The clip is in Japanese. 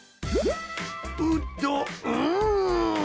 うどん！